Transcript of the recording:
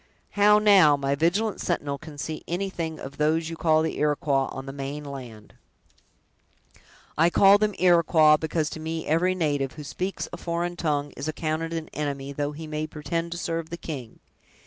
How, now, my vigilant sentinel, can see anything of those you call the Iroquois, on the main land!" "I call them Iroquois, because to me every native, who speaks a foreign tongue, is accounted an enemy, though he may pretend to serve the king!